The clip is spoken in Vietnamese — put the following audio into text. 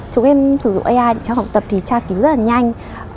chúng em sử dụng ai trong học tập thì tra cứu rất là nhanh